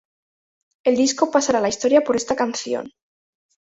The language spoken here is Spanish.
El disco pasará a la historia por esta canción.